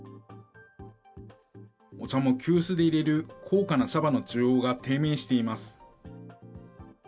お茶も急須で入れる高価な茶葉の需要が低迷しています。